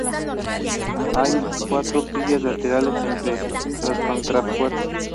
Hay cuatro capillas laterales entre los contrafuertes.